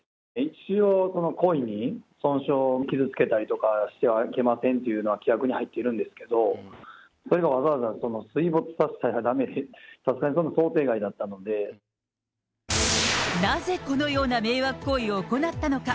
一応、故意に損傷、傷つけたりとかしてはいけませんというのは規約に入っているんですけど、そういうのをわざわざ水没させたらだめって、さすがにそんな、想なぜこのような迷惑行為を行ったのか。